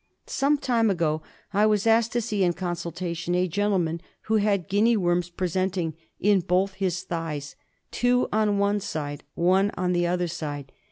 Some time ago I was asked to see, in consultation, a gentleman who had Guinea worms presenting in both his thighs — two on one side, one on the other side.